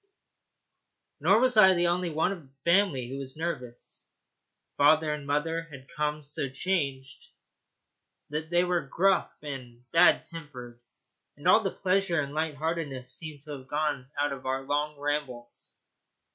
Nor was I the only one of the family who was nervous. Father and mother had become so changed that they were gruff and bad tempered; and all the pleasure and light heartedness seemed to have gone out of our long rambles.